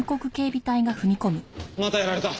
またやられた。